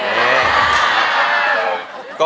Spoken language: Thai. เพลงนี้ที่๕หมื่นบาทแล้วน้องแคน